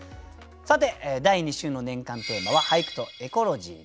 さて第２週の年間テーマは「俳句とエコロジー」です。